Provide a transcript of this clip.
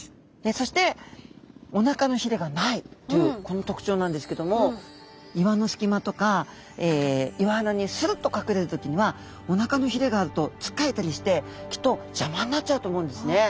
そしておなかのひれがないというこの特徴なんですけども岩の隙間とか岩穴にするっと隠れる時にはおなかのひれがあるとつっかえたりしてきっと邪魔になっちゃうと思うんですね。